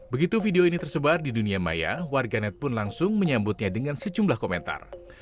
begitu video ini tersebar di dunia maya warganet pun langsung menyambutnya dengan sejumlah komentar